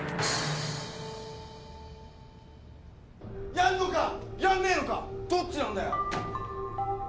やんのかやんねえのかどっちなんだよ？